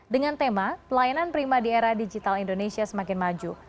dengan tema pelayanan prima di era digital indonesia semakin maju